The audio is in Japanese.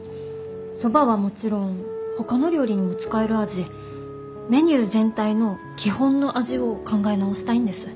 そばはもちろんほかの料理にも使える味メニュー全体の基本の味を考え直したいんです。